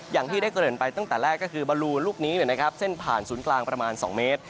อย่างที่ได้เกริ่นไปตั้งแต่แรกก็คือบรูลูกนี้เส้นผ่านศูนย์กลางประมาณ๒เมตร